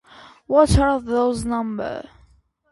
What are those numbers?